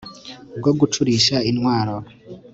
bwo gucurisha intwaro